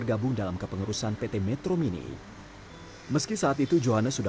jadi manajemen metro mini itu masih ada